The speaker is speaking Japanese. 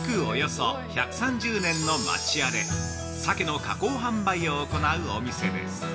およそ１３０年の町屋で、鮭の加工販売を行うお店です。